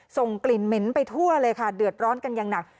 ส่งกลิ่นเหม็นไปทั่วเลยค่ะเดือดร้อนกันอย่างหนัก